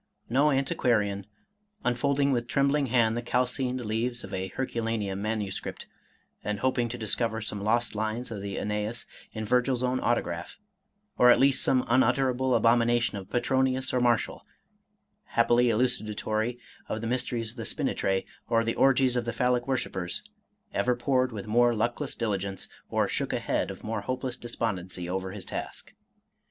No antiquarian, unfolding with trembling hand the calcined leaves of an Herculaneum manuscript, and hoping to dis 199 Irish Mystery Stories cover some lost lines of the ^neis in Virgil's own auto ^aph, or at least some unutterable abomination of Pc tronius or Martial, happily elucidatory of the mysteries of the Spintriae, or the orgies of the Phallic worshipers, ever pored with more luckless diligence, or shook a head of more hopeless despondency over his task.